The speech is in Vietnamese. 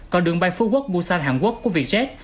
còn đường bay phú quốc busan hàn quốc của vietjet